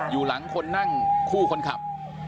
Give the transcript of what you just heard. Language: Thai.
อยู่หลังคนนั่งคู่คนขับ